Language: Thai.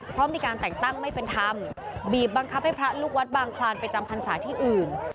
เพราะมีการแต่งตั้งไม่เป็นธรรมบีบบังคับให้พระลูกวัดบางคลานไปจำพรรษาที่อื่น